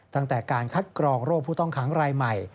ตั้งแต่การคัดกรองโรคผู้ต้องขังรายใหม่